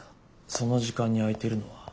その時間に空いてるのは。